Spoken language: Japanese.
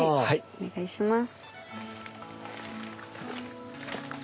お願いします。